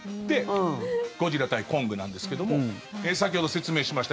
ゴジラ対コングなんですけども先ほど説明しました